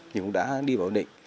nhưng cũng đã đi vào ổn định